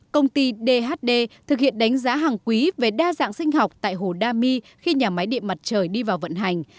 công ty dhd thực hiện đánh giá hàng quý về đa dạng sinh học tại hồ dami khi nhà máy điện mặt trời đi vào vận hành